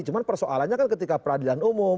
cuma persoalannya kan ketika peradilan umum